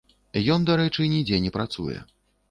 Ён, дарэчы, нідзе не працуе.